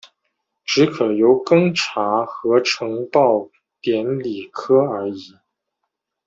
只可由庚查核呈报典礼科而已。